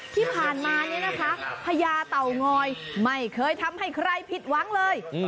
ที่ผ่านมานี้นะคะพญาเต่างอยไม่เคยทำให้ใครผิดหวังเลย